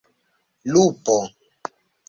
lupo